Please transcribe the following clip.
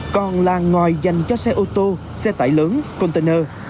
còn làng ngoài dành cho xe ô tô xe tải lớn container